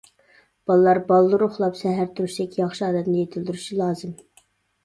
بالىلار بالدۇر ئۇخلاپ سەھەر تۇرۇشتەك ياخشى ئادەتنى يېتىلدۈرۈشى لازىم.